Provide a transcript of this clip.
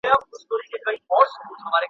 ¬ چي د ياره وائې، د ځانه وائې.